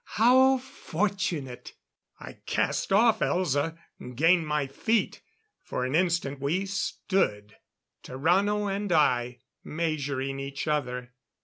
How fortunate!" I cast off Elza and gained my feet. For an instant we stood Tarrano and I measuring each other.